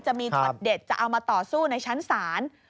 จะมีช็อตเด็ดจะเอามาต่อสู้ในชั้นศาล